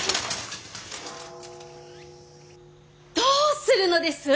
どうするのです。